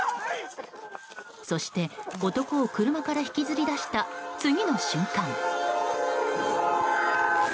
そして、男を車から引きずり出した次の瞬間。